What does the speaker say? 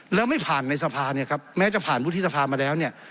แล้วไม่ผ่านในสภาเนี่ยครับแม้จะผ่านวุฒิสภามาแล้วเนี่ย